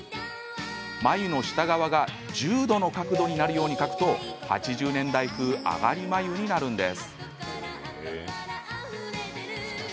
眉の下側が１０度の角度になるように描くと８０年代風上がり眉になるんです。